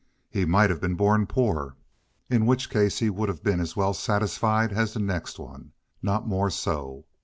He might have been born poor, in which case he would have been as well satisfied as the next one—not more so.